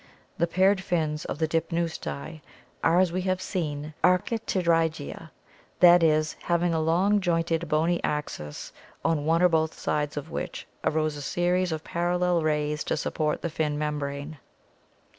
The paired fins of the Dipneusti are, as we have seen, ar chipterygia, that is, having a long, jointed, bony axis, on one or both sides of which arose a series of parallel rays to support the fin membrane.